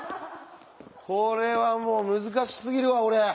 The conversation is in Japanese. これはもう難しすぎるわ俺。